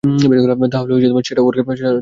তাহলে সেটা ওর কাছ থেকে নাও।